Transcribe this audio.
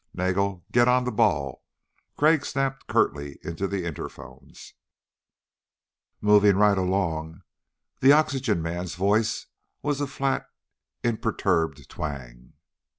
"Nagel! Get on the ball," Crag snapped curtly into the interphones. "Moving right along." The oxygen man's voice was a flat imperturbed twang.